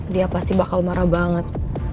dia pasti bakal marah banget